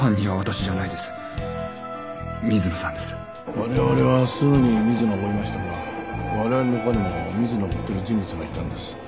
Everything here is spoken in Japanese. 我々はすぐに水野を追いましたが我々の他にも水野を追ってる人物がいたんです。